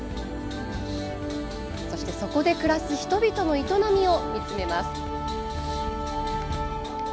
そして、そこで暮らす人々の営みを見つめます。